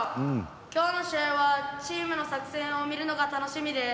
きょうの試合はチームの作戦を見るのが楽しみです。